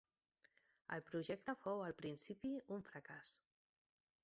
El projecte fou al principi un fracàs.